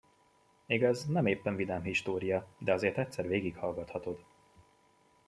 Igaz, nem éppen vidám história, de azért egyszer végighallgathatod.